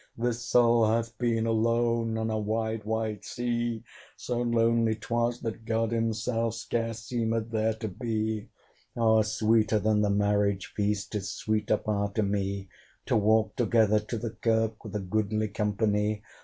this soul hath been Alone on a wide wide sea: So lonely 'twas, that God himself Scarce seemed there to be. O sweeter than the marriage feast, 'Tis sweeter far to me, To walk together to the kirk With a goodly company!